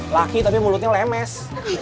lagi tapi mulutnya lemes